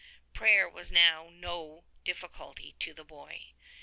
Prayer was now no difficulty to the boy.